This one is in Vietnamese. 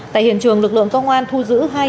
tại hiện trường lực lượng công an thu giữ hai đĩa sử dụng